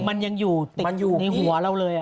มันยังอยู่นี่ติดในหัวเราเลย